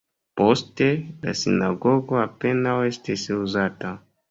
Poste la sinagogo apenaŭ estis uzata.